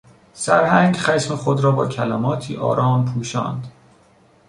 سرهنگ خشم خود را با کلماتی آرام پوشاند.